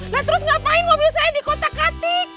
nah terus ngapain mobil saya di kotak katik